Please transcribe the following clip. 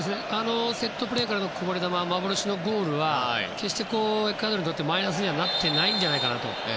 セットプレーのこぼれ球から幻のゴールは決してエクアドルにとってはマイナスにはなってないんじゃないかなと。